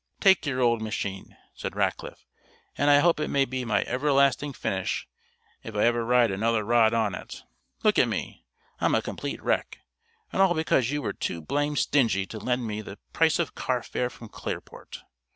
"Take your old machine," said Rackliff, "and I hope it may be my everlasting finish if I ever ride another rod on it. Look at me! I'm a complete wreck, and all because you were too blamed stingy to lend me the price of carfare from Clearport.